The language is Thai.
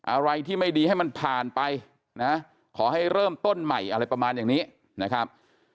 อะไรที่ไม่ดีให้มันผ่านไปนะขอให้เริ่มต้นใหม่อะไรประมาณอย่างนี้นะครับ